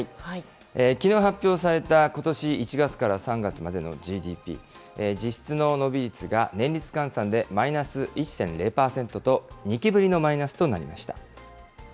きのう発表されたことし１月から３月までのＧＤＰ、実質の伸び率が年率換算でマイナス１．０％と、２期ぶりのマイナ